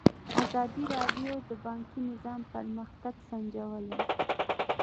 ازادي راډیو د بانکي نظام پرمختګ سنجولی.